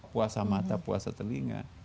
puasa mata puasa telinga